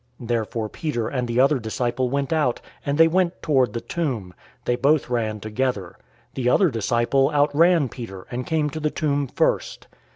020:003 Therefore Peter and the other disciple went out, and they went toward the tomb. 020:004 They both ran together. The other disciple outran Peter, and came to the tomb first.